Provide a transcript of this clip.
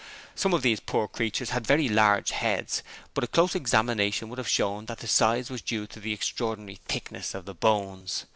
Some of these poor creatures had very large heads, but a close examination would have shown that the size was due to the extraordinary thickness of the bones.